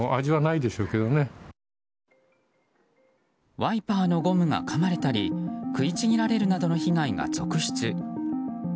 ワイパーのゴムがかまれたり食いちぎられるなどの被害が続出。